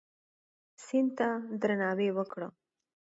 سیند ته درناوی وکړه.